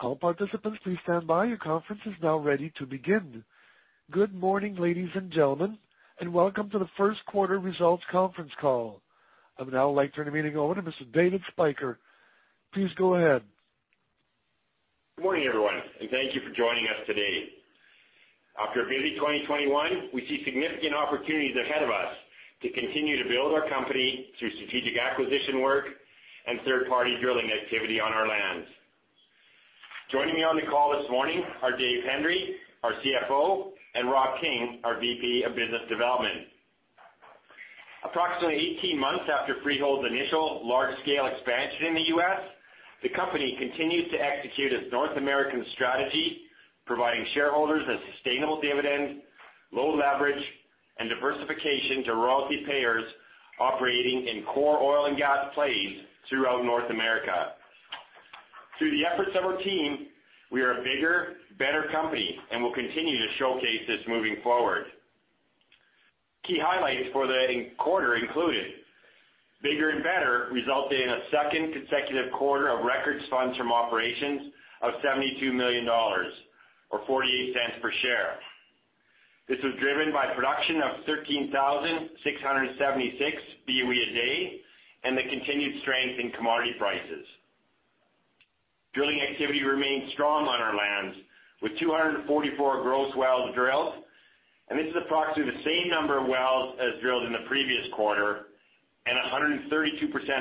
All participants, please stand by. Your conference is now ready to begin. Good morning, ladies and gentlemen, and welcome to the First Quarter Results Conference Call. I would now like to turn the meeting over to Mr. David Spyker. Please go ahead. Good morning, everyone, and thank you for joining us today. After a busy 2021, we see significant opportunities ahead of us to continue to build our company through strategic acquisition work and third-party drilling activity on our lands. Joining me on the call this morning are Dave Hendry, our CFO, and Rob King, our VP of Business Development. Approximately 18 months after Freehold's initial large-scale expansion in the U.S., the company continues to execute its North American strategy, providing shareholders a sustainable dividend, low leverage, and diversification to royalty payers operating in core oil and gas plays throughout North America. Through the efforts of our team, we are a bigger, better company, and we'll continue to showcase this moving forward. Key highlights for the quarter included bigger and better, resulting in a second consecutive quarter of record funds from operations of 72 million dollars or 0.48 per share. This was driven by production of 13,676 BOE a day and the continued strength in commodity prices. Drilling activity remained strong on our lands with 244 gross wells drilled, and this is approximately the same number of wells as drilled in the previous quarter and 132%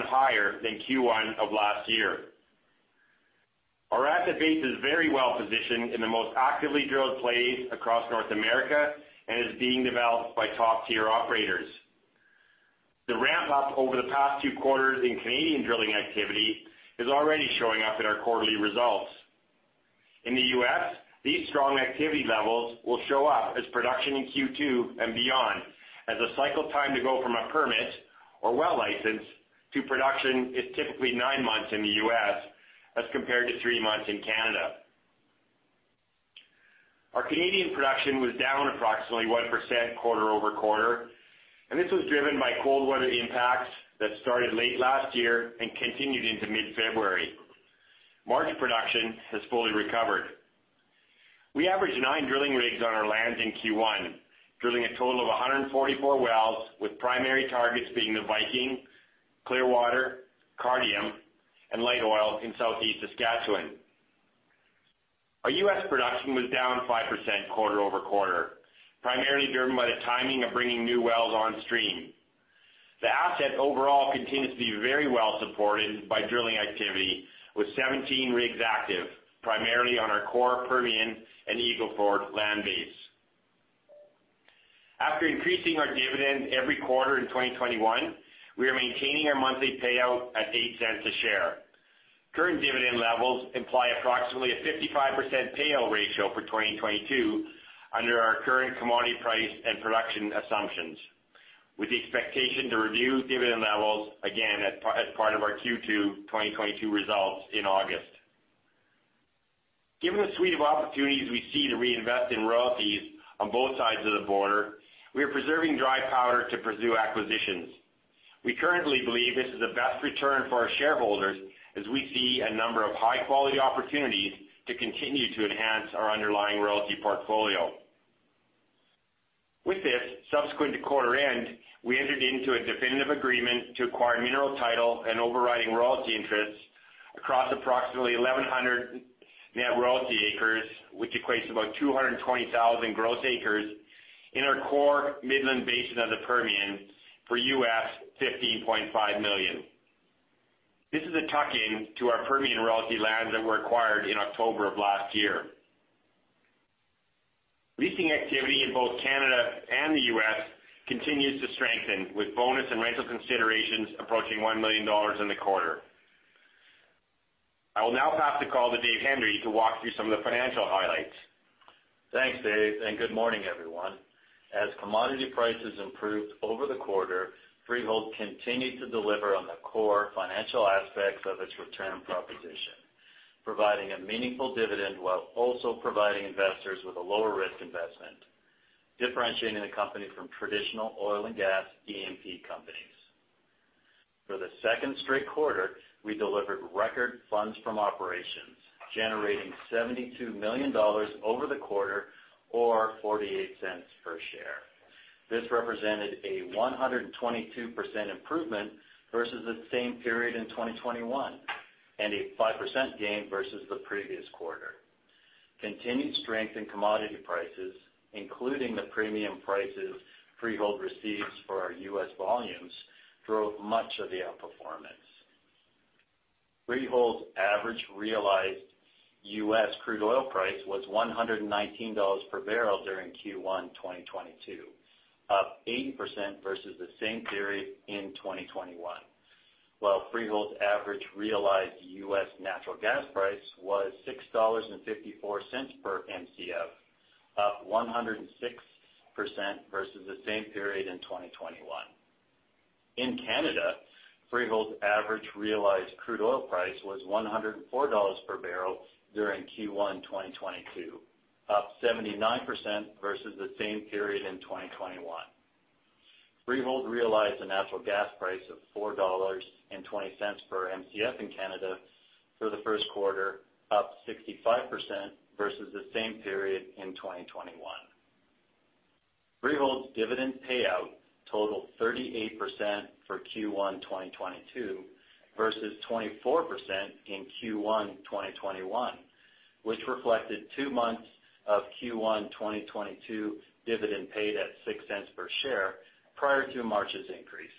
higher than Q1 of last year. Our asset base is very well positioned in the most actively drilled plays across North America and is being developed by top-tier operators. The ramp up over the past two quarters in Canadian drilling activity is already showing up in our quarterly results. In the U.S., these strong activity levels will show up as production in Q2 and beyond as a cycle time to go from a permit or well license to production is typically nine months in the U.S. as compared to three months in Canada. Our Canadian production was down approximately 1% quarter-over-quarter, and this was driven by cold weather impacts that started late last year and continued into mid-February. March production has fully recovered. We averaged nine drilling rigs on our lands in Q1, drilling a total of 144 wells, with primary targets being the Viking, Clearwater, Cardium, and light oil in Southeast Saskatchewan. Our U.S. production was down 5% quarter-over-quarter, primarily driven by the timing of bringing new wells on stream. The asset overall continues to be very well supported by drilling activity with 17 rigs active, primarily on our core Permian and Eagle Ford land base. After increasing our dividend every quarter in 2021, we are maintaining our monthly payout at 0.08 per share. Current dividend levels imply approximately a 55% payout ratio for 2022 under our current commodity price and production assumptions. With the expectation to review dividend levels again as part of our Q2 2022 results in August. Given the suite of opportunities we see to reinvest in royalties on both sides of the border, we are preserving dry powder to pursue acquisitions. We currently believe this is the best return for our shareholders as we see a number of high-quality opportunities to continue to enhance our underlying royalty portfolio. With this, subsequent to quarter end, we entered into a definitive agreement to acquire mineral title and overriding royalty interests across approximately 1,100 net royalty acres, which equates to about 220,000 gross acres in our core Midland Basin of the Permian for $15.5 million. This is a tuck-in to our Permian royalty lands that were acquired in October of last year. Leasing activity in both Canada and the U.S. continues to strengthen, with bonus and rental considerations approaching 1 million dollars in the quarter. I will now pass the call to Dave Hendry to walk through some of the financial highlights. Thanks, Dave, and good morning, everyone. As commodity prices improved over the quarter, Freehold continued to deliver on the core financial aspects of its return proposition, providing a meaningful dividend while also providing investors with a lower risk investment, differentiating the company from traditional oil and gas E&P companies. For the second straight quarter, we delivered record funds from operations, generating 72 million dollars over the quarter or 0.48 per share. This represented a 122% improvement versus the same period in 2021 and a 5% gain versus the previous quarter. Continued strength in commodity prices, including the premium prices Freehold receives for our U.S. volumes, drove much of the outperformance. Freehold's average realized U.S. crude oil price was $119 per barrel during Q1 2022, up 80% versus the same period in 2021. While Freehold's average realized US natural gas price was $6.54 per Mcf, up 106% versus the same period in 2021. In Canada, Freehold's average realized crude oil price was 104 dollars per bbl during Q1 2022, up 79% versus the same period in 2021. Freehold realized a natural gas price of 4.20 dollars per Mcf in Canada for the first quarter, up 65% versus the same period in 2021. Freehold's dividend payout totaled 38% for Q1 2022 versus 24% in Q1 2021, which reflected two months of Q1 2022 dividend paid at 0.06 per share prior to March's increase.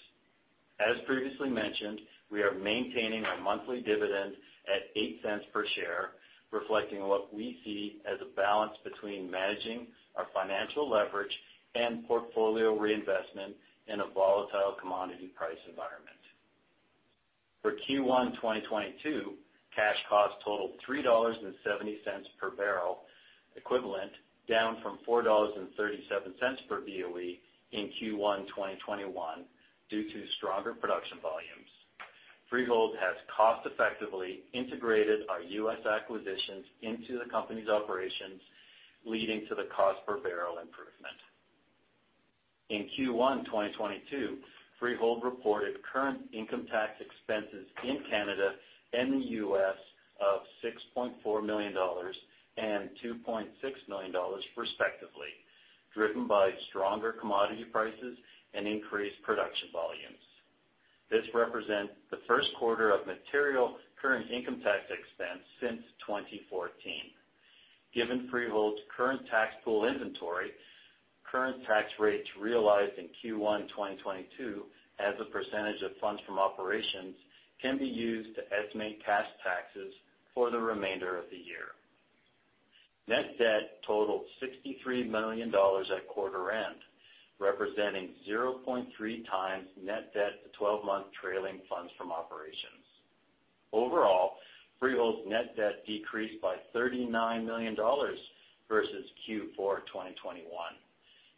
As previously mentioned, we are maintaining our monthly dividend at 0.08 per share, reflecting what we see as a balance between managing our financial leverage and portfolio reinvestment in a volatile commodity price environment. For Q1 2022, cash costs totaled 3.70 dollars per bbl equivalent, down from 4.37 dollars per BOE in Q1 2021 due to stronger production volumes. Freehold has cost effectively integrated our U.S. acquisitions into the company's operations, leading to the cost per barrel improvement. In Q1 2022, Freehold reported current income tax expenses in Canada and the U.S. of 6.4 million dollars and $2.6 million respectively, driven by stronger commodity prices and increased production volumes. This represents the first quarter of material current income tax expense since 2014. Given Freehold's current tax pool inventory, current tax rates realized in Q1 2022 as a percentage of funds from operations can be used to estimate cash taxes for the remainder of the year. Net debt totaled 63 million dollars at quarter end, representing 0.3 times net debt to 12-month trailing funds from operations. Overall, Freehold's net debt decreased by 39 million dollars versus Q4 2021.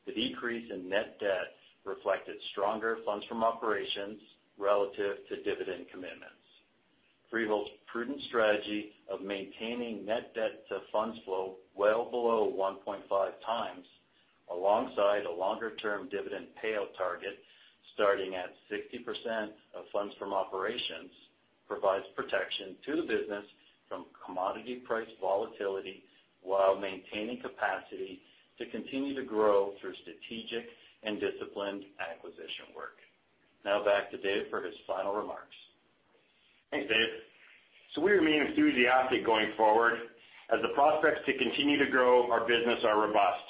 The decrease in net debt reflected stronger funds from operations relative to dividend commitments. Freehold's prudent strategy of maintaining net debt to funds flow well below 1.5 times, alongside a longer-term dividend payout target starting at 60% of funds from operations, provides protection to the business from commodity price volatility while maintaining capacity to continue to grow through strategic and disciplined acquisition work. Now back to David for his final remarks. Thanks, Dave. We remain enthusiastic going forward as the prospects to continue to grow our business are robust.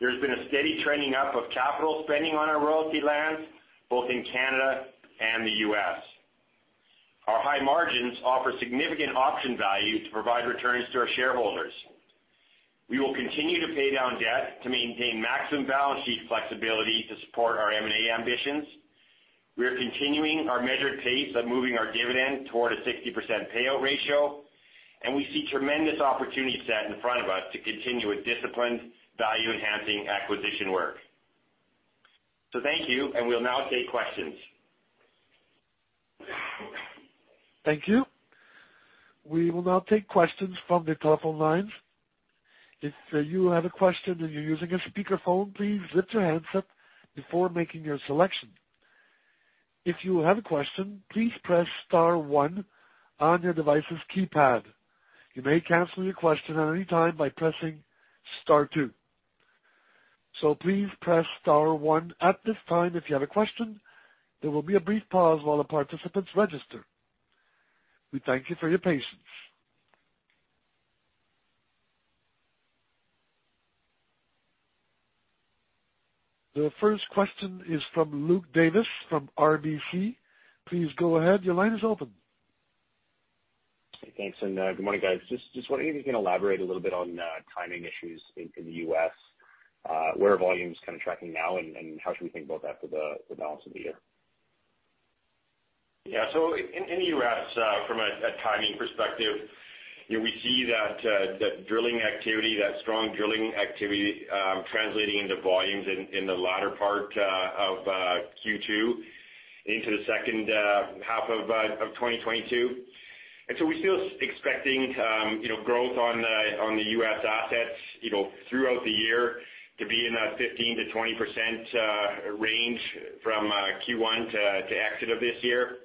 There's been a steady trending up of capital spending on our royalty lands, both in Canada and the U.S. Our high margins offer significant option value to provide returns to our shareholders. We will continue to pay down debt to maintain maximum balance sheet flexibility to support our M&A ambitions. We are continuing our measured pace of moving our dividend toward a 60% payout ratio, and we see tremendous opportunity set in front of us to continue a disciplined, value-enhancing acquisition work. Thank you, and we'll now take questions. Thank you. We will now take questions from the telephone lines. If you have a question and you're using a speaker phone, please mute your handset before making your selection. If you have a question, please press star one on your device's keypad. You may cancel your question at any time by pressing star two. Please press star one at this time if you have a question. There will be a brief pause while the participants register. We thank you for your patience. The first question is from Luke Davis from RBC. Please go ahead. Your line is open. Thanks, good morning, guys. Just wondering if you can elaborate a little bit on timing issues in the U.S., where volume is kind of tracking now, and how should we think about that for the balance of the year? Yeah. In the U.S., from a timing perspective, you know, we see that strong drilling activity translating into volumes in the latter part of Q2 into the H2 of 2022. We're still expecting, you know, growth on the U.S. assets, you know, throughout the year to be in a 15%-20% range from Q1 to exit of this year.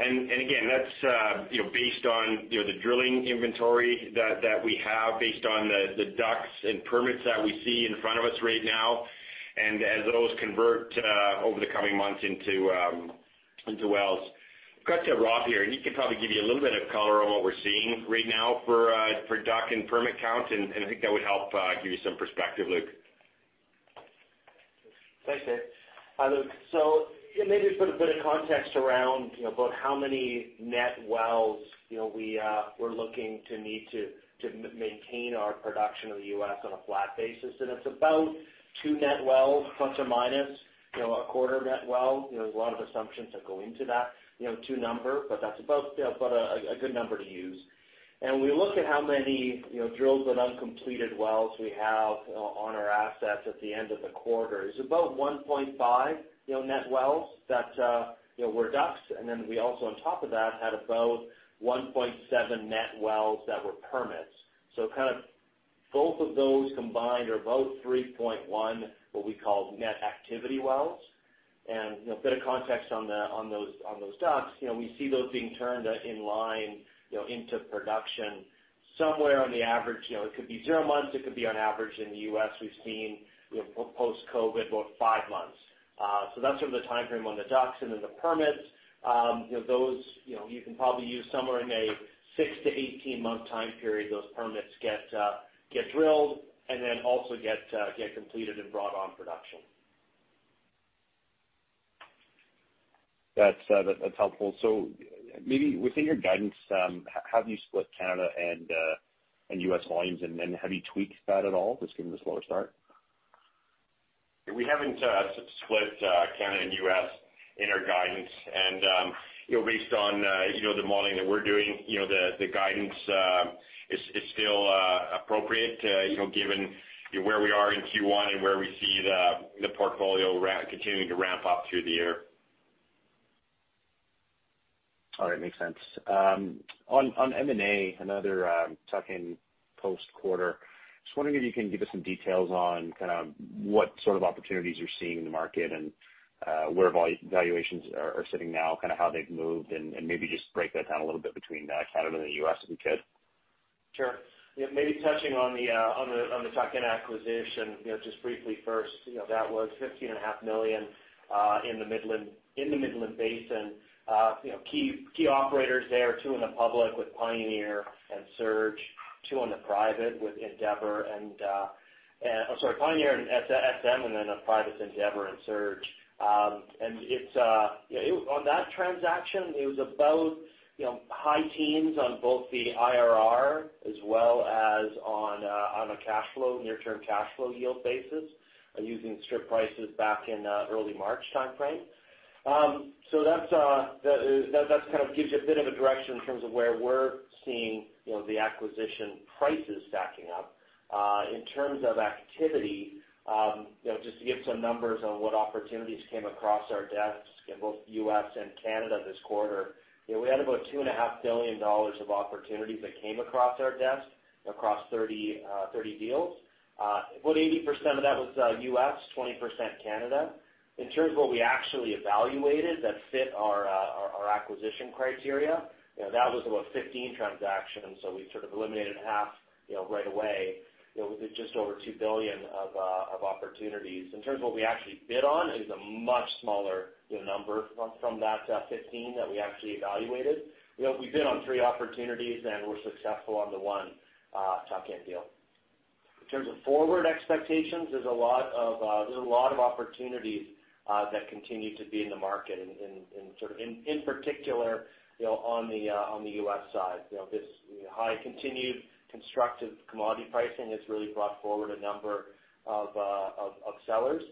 Again, that's, you know, based on, you know, the drilling inventory that we have based on the DUCs and permits that we see in front of us right now and as those convert over the coming months into wells. I've got Rob here, and he can probably give you a little bit of color on what we're seeing right now for DUC and permit count, and I think that would help give you some perspective, Luke. Thanks, Dave. Hi, Luke. Yeah, maybe to put a bit of context around, you know, about how many net wells, you know, we're looking to need to maintain our production in the U.S. on a flat basis, and it's about two net wells plus or minus, you know, a quarter net well. You know, there's a lot of assumptions that go into that, you know, two number, but that's about a good number to use. We look at how many, you know, drilled but uncompleted wells we have on our assets at the end of the quarter. It's about 1.5, you know, net wells that were DUCs. Then we also on top of that had about 1.7 net wells that were permits. Both of those combined are about 3.1, what we call net activity wells. You know, a bit of context on those DUCs, you know, we see those being turned in line, you know, into production somewhere on average. You know, it could be zero months, it could be on average in the U.S., we've seen, you know, post-COVID, about five months. So that's sort of the timeframe on the DUCs and then the permits. You know, those, you know, you can probably use somewhere in a six-18-month time period, those permits get drilled and then also get completed and brought on production. That's helpful. Maybe within your guidance, how do you split Canada and U.S. volumes? Then have you tweaked that at all, just given the slower start? We haven't split Canada and U.S. in our guidance. You know, based on the modeling that we're doing, you know, the guidance is still appropriate, you know, given where we are in Q1 and where we see the portfolio continuing to ramp up through the year. All right. Makes sense. On M&A, another tuck-in post quarter, just wondering if you can give us some details on kind of what sort of opportunities you're seeing in the market and where valuations are sitting now, kind of how they've moved, and maybe just break that down a little bit between Canada and the U.S., if you could. Sure. Yeah, maybe touching on the tuck-in acquisition, you know, just briefly first, you know, that was $15.5 million in the Midland Basin. You know, operators there, two in the public with Pioneer and SM, two on the private with Endeavor and Surge. I'm sorry, and it's, you know, on that transaction, it was about, you know, high teens on both the IRR as well as on a cash flow, near-term cash flow yield basis using strip prices back in early March timeframe. That kind of gives you a bit of a direction in terms of where we're seeing, you know, the acquisition prices stacking up. In terms of activity, you know, just to give some numbers on what opportunities came across our desks in both U.S. and Canada this quarter. You know, we had about 2.5 billion of opportunities that came across our desk across 30 deals. About 80% of that was U.S., 20% Canada. In terms of what we actually evaluated that fit our acquisition criteria, you know, that was about 15 transactions, so we sort of eliminated half, you know, right away. It was just over 2 billion of opportunities. In terms of what we actually bid on is a much smaller, you know, number from that 15 that we actually evaluated. You know, we bid on three opportunities, and we're successful on the one tuck-in deal. In terms of forward expectations, there's a lot of opportunities that continue to be in the market and sort of in particular, you know, on the U.S. side. You know, this high continued constructive commodity pricing has really brought forward a number of sellers,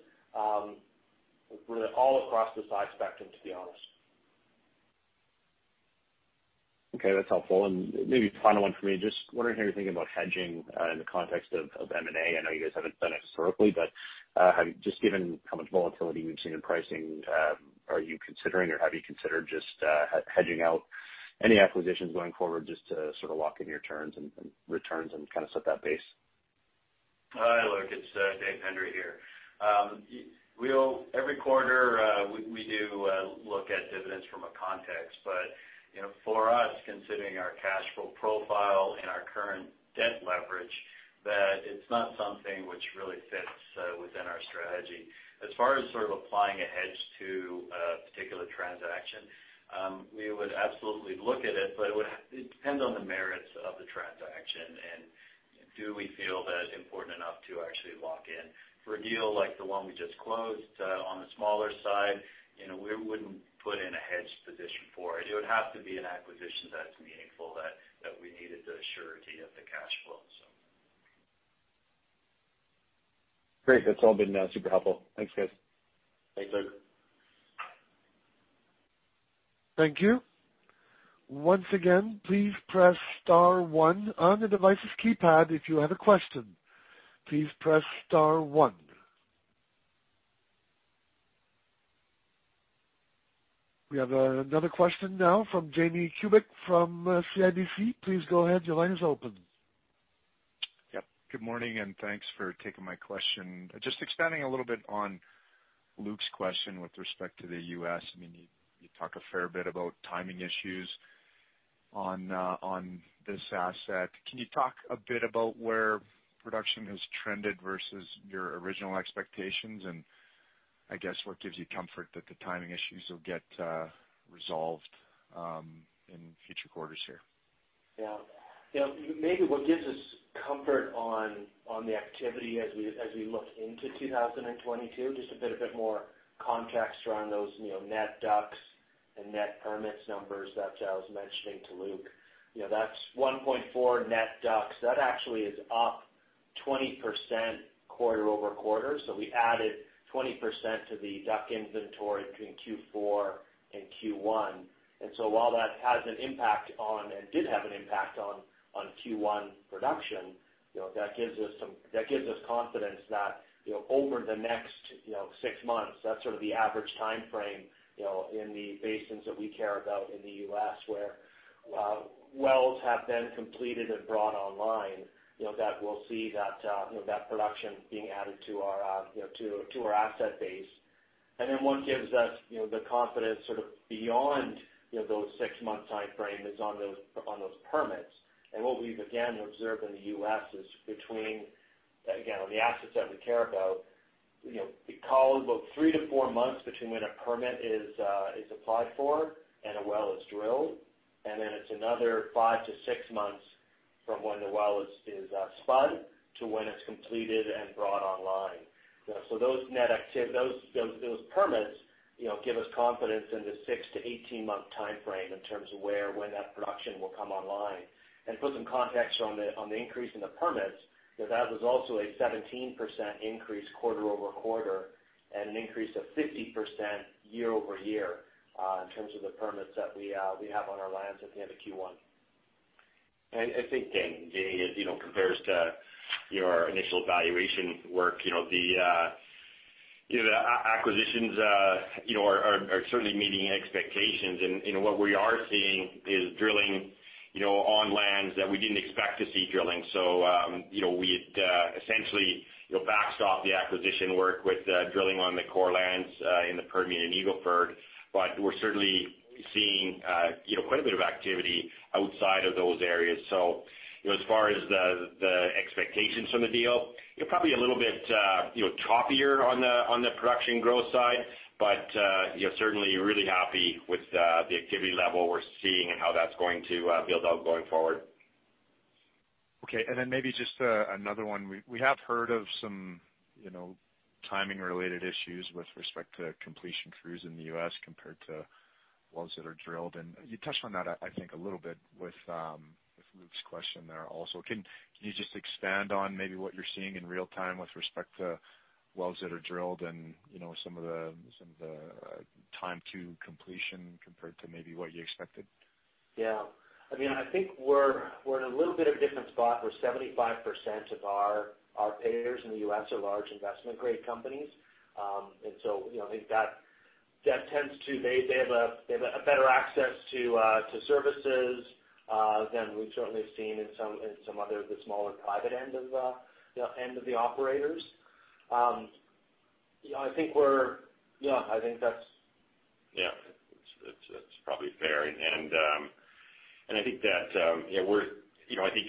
really all across the size spectrum, to be honest. Okay, that's helpful. Maybe final one for me, just wondering how you're thinking about hedging in the context of M&A. I know you guys haven't done it historically, but have you, just given how much volatility we've seen in pricing, are you considering or have you considered just hedging out any acquisitions going forward just to sort of lock in your returns and kind of set that base? Hi, Luke. It's Dave Hendry here. Every quarter, we do look at dividends from a context. You know, for us, considering our cash flow profile and our current debt leverage, that it's not something which really fits within our strategy. As far as sort of applying a hedge to a particular transaction, we would absolutely look at it, but it depends on the merits of the transaction and do we feel that it's important enough to actually lock in. For a deal like the one we just closed, on the smaller side, you know, we wouldn't put in a hedge position for it. It would have to be an acquisition that's meaningful that we needed the surety of the cash flow, so. Great. That's all been super helpful. Thanks, guys. Thanks, Luke. Thank you. Once again, please press star one on the device's keypad if you have a question. Please press star one. We have another question now from Jamie Kubik from CIBC. Please go ahead. Your line is open. Yep. Good morning, and thanks for taking my question. Just expanding a little bit on Luke's question with respect to the U.S. I mean, you talk a fair bit about timing issues on this asset. Can you talk a bit about where production has trended versus your original expectations and I guess what gives you comfort that the timing issues will get resolved in future quarters here? Yeah. You know, maybe what gives us comfort on the activity as we look into 2022, just a bit more context around those, you know, net DUCs and net permits numbers that I was mentioning to Luke. You know, that's 1.4 net DUCs. That actually is up 20% quarter-over-quarter. We added 20% to the DUC inventory between Q4 and Q1. While that has an impact on and did have an impact on Q1 production, you know, that gives us confidence that, you know, over the next six months, that's sort of the average timeframe, you know, in the basins that we care about in the U.S. where wells have been completed and brought online, you know, that we'll see that production being added to our asset base. What gives us, you know, the confidence sort of beyond those six months timeframe is on those permits. What we've again observed in the U.S. is between, again, on the assets that we care about, you know, we call about three-four months between when a permit is applied for and a well is drilled, and then it's another five-six months from when the well is spud to when it's completed and brought online. Those permits, you know, give us confidence in the six-18-month time frame in terms of where when that production will come online. To put some context on the increase in the permits, that was also a 17% increase quarter-over-quarter and an increase of 50% year-over-year in terms of the permits that we have on our lands at the end of Q1. I think, Jamie, as you know, compared to your initial valuation work. You know, the acquisitions, you know, are certainly meeting expectations. What we are seeing is drilling, you know, on lands that we didn't expect to see drilling. You know, we'd essentially, you know, backstop the acquisition work with drilling on the core lands in the Permian and Eagle Ford. We're certainly seeing, you know, quite a bit of activity outside of those areas. You know, as far as the expectations from the deal, you're probably a little bit, you know, toppy on the production growth side. You know, certainly really happy with the activity level we're seeing and how that's going to build out going forward. Okay. Maybe just another one. We have heard of some, you know, timing related issues with respect to completion crews in the U.S. compared to wells that are drilled. You touched on that I think a little bit with Luke's question there also. Can you just expand on maybe what you're seeing in real time with respect to wells that are drilled and, you know, some of the time to completion compared to maybe what you expected? Yeah. I mean, I think we're in a little bit of a different spot where 75% of our payers in the U.S. are large investment grade companies. You know, I think that tends to. They have a better access to services than we've certainly seen in some other the smaller private end of you know end of the operators. You know, I think we're, you know, I think that's... Yeah, that's probably fair. You know, I think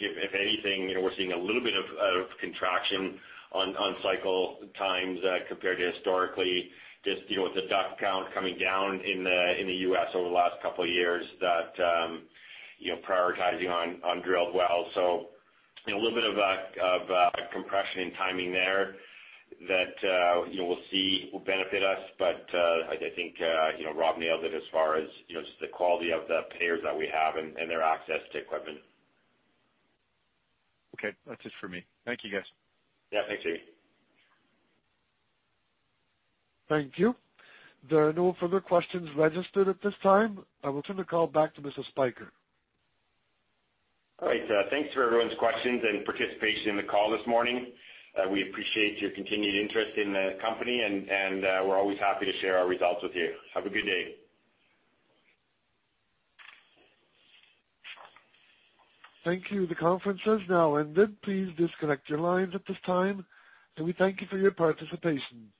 if anything, you know, we're seeing a little bit of contraction on cycle times compared to historically, just with the DUC count coming down in the U.S. over the last couple of years, prioritizing on drilled wells. You know, a little bit of compression and timing there that we'll see will benefit us. I think, you know, Rob nailed it as far as, you know, just the quality of the payers that we have and their access to equipment. Okay. That's it for me. Thank you, guys. Yeah. Thanks, Jamie. Thank you. There are no further questions registered at this time. I will turn the call back to Mr. Spyker. All right. Thanks for everyone's questions and participation in the call this morning. We appreciate your continued interest in the company, and we're always happy to share our results with you. Have a good day. Thank you. The conference has now ended. Please disconnect your lines at this time, and we thank you for your participation.